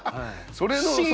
それのさ。